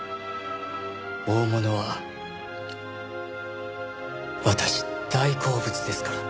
大物は私大好物ですから。